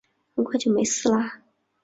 很快就没事了